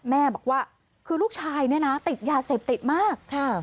แม่บอกว่าคือลูกชายเนี่ยนะติดยาเสพติดมาก